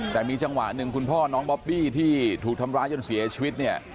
แต่มีจังหวะหนึ่งคุณพ่อน้องบอบบี้ที่ถูกทำร้ายจนเสียชีวิตเนี่ย